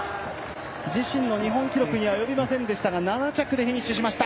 自身の日本記録には及びませんでしたが７着でフィニッシュしました。